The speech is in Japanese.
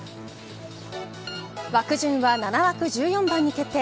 枠順は７枠１４番に決定。